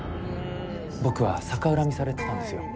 僕は逆恨みされてたんですよ。